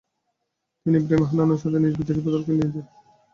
তিনি Ibrahim Hananu সাথে নিজ বিদ্রোহী দলকে নিয়ে যোগ দেন।